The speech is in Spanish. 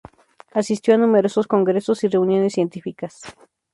Asistió a numerosos congresos y reuniones científicas.